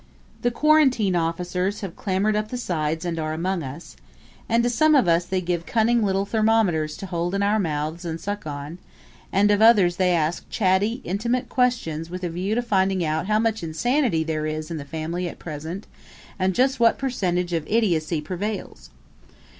The quarantine officers have clambered up the sides and are among us; and to some of us they give cunning little thermometers to hold in our mouths and suck on, and of others they ask chatty, intimate questions with a view to finding out how much insanity there is in the family at present and just what percentage of idiocy prevails?